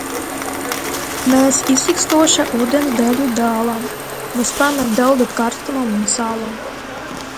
Mēs izsīkstoša ūdens daļu dalām, - Mūs pamet deldēt karstumam un salam.